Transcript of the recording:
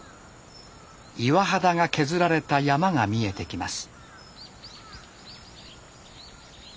岩肌が削られた山が見えてきます。